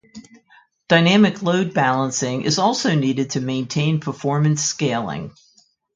Dynamic load balancing is also needed to maintain performance scaling.